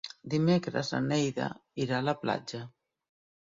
Dimecres na Neida irà a la platja.